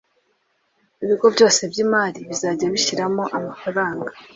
ibigo byose by’Imari bizajya bishyiramo amafaranga